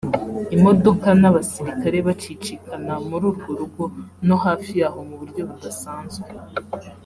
imodoka n’abasirikare bacicikana muri urwo rugo no hafi yaho mu buryo budasanzwe